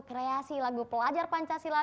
kreasi lagu pelajar pancasila dua ribu dua puluh satu